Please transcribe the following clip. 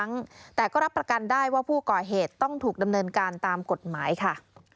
ครั้งแต่ก็รับประกันได้ว่าผู้ก่อเหตุต้องถูกดำเนินการตามกฎหมายค่ะ